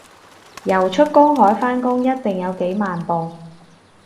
游出公海返工一定有幾萬步